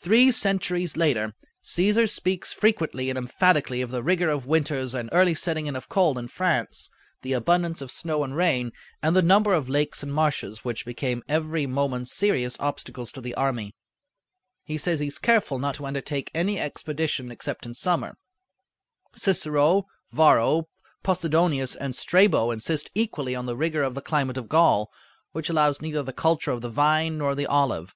Three centuries later, C�sar speaks frequently and emphatically of the rigor of winters and early setting in of cold in France, the abundance of snow and rain, and the number of lakes and marshes which became every moment serious obstacles to the army. He says he is careful not to undertake any expedition except in summer. Cicero, Varro, Possidonius, and Strabo insist equally on the rigor of the climate of Gaul, which allows neither the culture of the vine nor the olive.